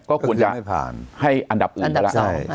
ก็ควรจะให้อันดับอื่นก็ละ